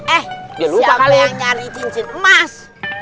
eh lupa yang nyari cincin emas